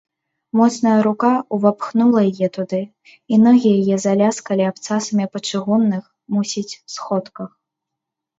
Моцная рука ўвапхнула яе туды, і ногі яе заляскалі абцасамі па чыгунных, мусіць, сходках.